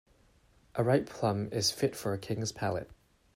A ripe plum is fit for a king's palate.